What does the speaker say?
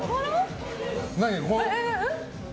何？